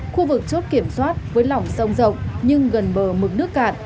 khu vực chốt kiểm soát với lỏng sông rộng nhưng gần bờ mực nước cạn